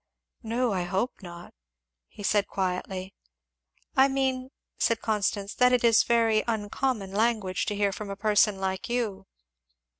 "No, I hope not," he said quietly. "I mean," said Constance, "that it is very uncommon language to hear from a person like you."